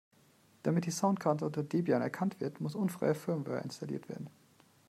Damit die Soundkarte unter Debian erkannt wird, muss unfreie Firmware installiert werden.